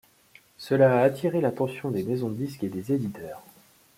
Cela a attiré l'attention des maisons de disques et des éditeurs.